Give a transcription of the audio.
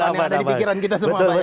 ini ada di pikiran kita semua pak